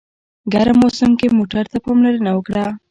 ګرم موسم کې موټر ته پاملرنه وکړه.